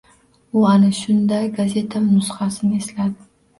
U ana shunda gazeta nusxasini esladi.